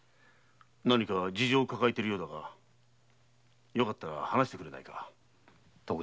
何か事情を抱えてるようだがよかったら話してくれないか？